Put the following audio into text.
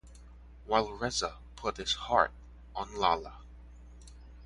While Reza put his heart on Lala.